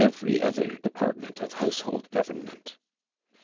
very other department of house htjld government.